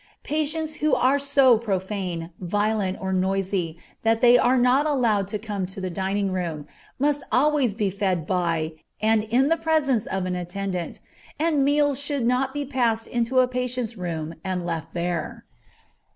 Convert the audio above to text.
Patients who are so profane, violent, or noisy, that they are not allowed to come to the dining room, must always be fed by, and in the presence of an attendant, and meals should not be passed into a patient's room and left there.